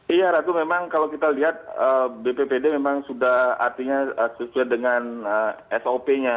iya ratu memang kalau kita lihat bppd memang sudah artinya sesuai dengan sop nya